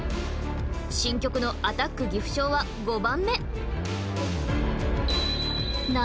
新曲の「アタック岐阜商」は５番目。